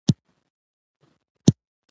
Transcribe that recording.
د هېواد په بیا رغونه کې فعاله ونډه واخلئ.